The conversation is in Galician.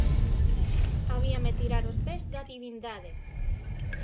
Habíame tirar ós pés da divindade.